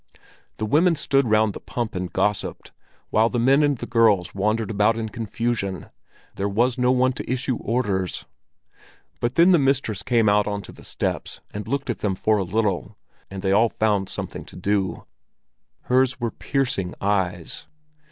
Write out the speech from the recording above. The women stood round the pump and gossiped, while the men and girls wandered about in confusion; there was no one to issue orders. But then the mistress came out on to the steps and looked at them for a little, and they all found something to do. Hers were piercing eyes!